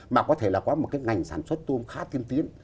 mà có thể là có một cái ngành sản xuất tôm khá tiên tiến